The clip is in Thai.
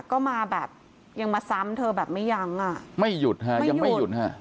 ก็มาแบบยังมาซ้ำเธอแบบไม่ยั้งอ่ะไม่หยุดฮะยังไม่หยุดฮะ